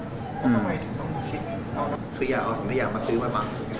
ทำไมถึงต้องคิดคืออยากเอาถังขยะมาซื้อไว้หวัง